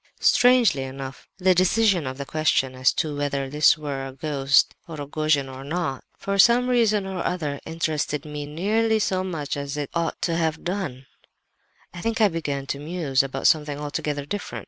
Strangely enough, the decision of the question as to whether this were a ghost or Rogojin did not, for some reason or other, interest me nearly so much as it ought to have done;—I think I began to muse about something altogether different.